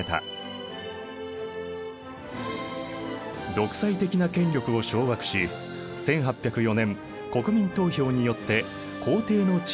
独裁的な権力を掌握し１８０４年国民投票によって皇帝の地位につく。